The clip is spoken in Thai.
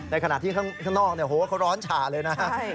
ในขณะที่ข้างนอกเขาร้อนฉ่าเลยนะ